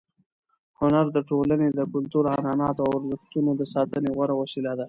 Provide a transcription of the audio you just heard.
هنر د ټولنې د کلتور، عنعناتو او ارزښتونو د ساتنې غوره وسیله ده.